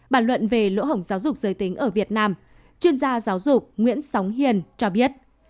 bản luận về lỗ hổng giáo dục giới tính ở việt nam chuyên gia giáo dục nguyễn sóng hiền cho biết